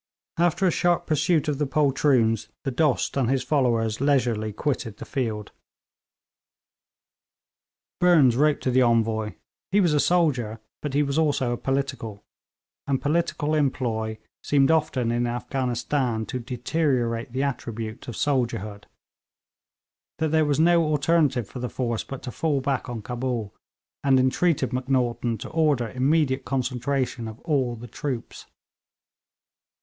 After a sharp pursuit of the poltroons, the Dost and his followers leisurely quitted the field. Burnes wrote to the Envoy he was a soldier, but he was also a 'political,' and political employ seemed often in Afghanistan to deteriorate the attribute of soldierhood that there was no alternative for the force but to fall back on Cabul, and entreated Macnaghten to order immediate concentration of all the troops.